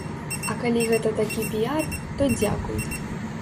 А калі гэта такі піяр, то дзякуй!